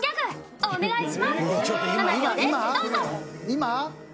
今？